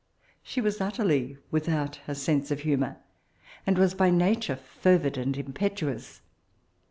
She was utteriy without a sense of hu mour, and was by nature fervid and impetuous.